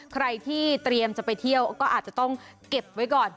ใครที่เตรียมจะไปเที่ยวก็อาจจะต้องเก็บไว้ก่อน